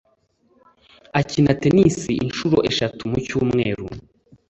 Akina tennis inshuro eshatu mu cyumwer.